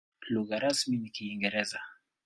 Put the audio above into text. Lugha rasmi ni Kiingereza.